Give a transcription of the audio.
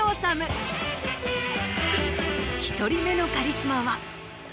１人目のカリスマは。